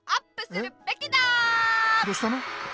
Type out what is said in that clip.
どしたの？